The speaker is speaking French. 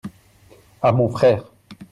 à mon frère.